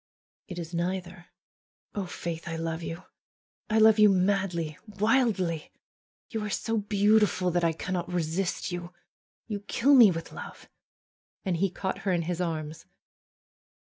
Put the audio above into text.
FAITH is neither. Oh, Faith, I love you! I love you madly, wildly! You are so beautiful that I cannot rc'cist you. You kill me with love." And he caught her in his arms.